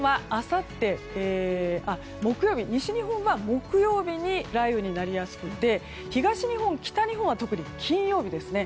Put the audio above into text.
特に西日本は木曜日に雷雨になりやすくて東日本、北日本は特に金曜日ですね。